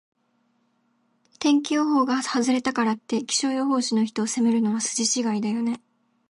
天気予報が外れたからって、気象予報士の人を責めるのは筋違いだよね。